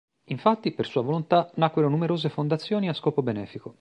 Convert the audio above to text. Infatti, per sua volontà, nacquero numerose fondazioni a scopo benefico.